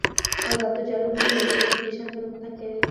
آزاد تجارت مهم دی ځکه چې فیشن پرمختګ کوي.